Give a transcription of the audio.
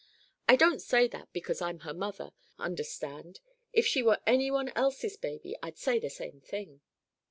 I don't say that because I'm her mother, understand. If she were anyone else's baby, I'd say the same thing."